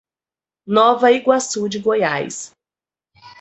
Nova Iguaçu de Goiás